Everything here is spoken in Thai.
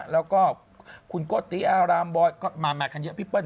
แล้วก็คุณโกติอารามบอยก็มากันเยอะพี่เปิ้